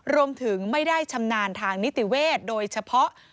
รวมถึงไม่ได้ชำนาญทางนิติเวทโดยเฉพาะ